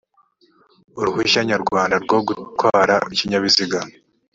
uruhushya nyarwanda rwo gutwara ikinyabiziga